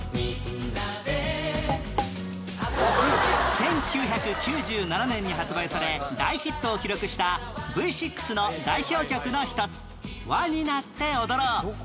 １９９７年に発売され大ヒットを記録した Ｖ６ の代表曲の１つ『ＷＡ になっておどろう』